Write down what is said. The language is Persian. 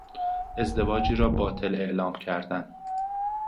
ازدواجی را باطل اعلام کردن